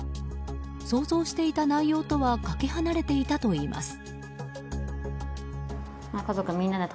想像していた内容とはかけ離れていたといいます。